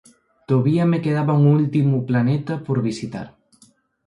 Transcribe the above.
Tovía me quedaba un últimu planeta por visitar.